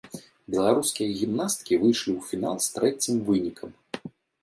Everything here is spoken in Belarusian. Беларускія гімнасткі выйшлі ў фінал з трэцім вынікам.